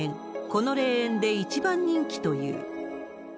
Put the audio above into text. この霊園で一番人気という。